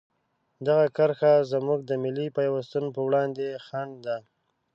دغه کرښه زموږ د ملي پیوستون په وړاندې خنډ ده.